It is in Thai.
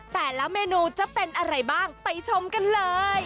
แต่ละเมนูจะเป็นอะไรบ้างไปชมกันเลย